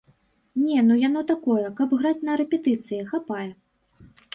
Не, ну яно такое, каб граць на рэпетыцыі, хапае.